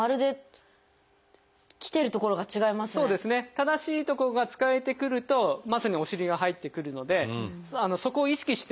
正しい所が使えてくるとまさにお尻が入ってくるのでそこを意識して。